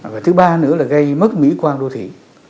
và thứ ba nữa là gây mất mỹ quan đô thị